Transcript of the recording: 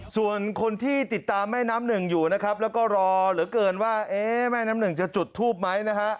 ส่วนคนที่ติดตามแม่น้ำหนึ่งอยู่นะครับแล้วก็รอเหลือเกินว่าเอ๊ะแม่น้ำหนึ่งจะจุดทูบไหมนะฮะ